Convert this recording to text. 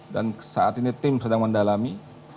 dan saat ini tim sedang mendalami